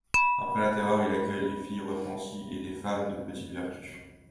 Après la Terreur, il accueille les filles repenties et les femmes de petite vertu.